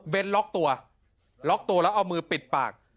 เป็นล็อกตัวล็อกตัวแล้วเอามือปิดปาก